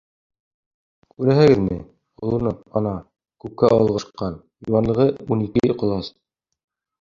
Күрәһегеҙме, олоно, ана, күккә олғашҡан, йыуанлығы ун ике ҡолас.